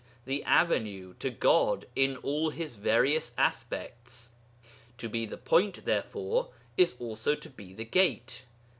the Avenue to God in all His various aspects. To be the Point, therefore, is also to be the Gate.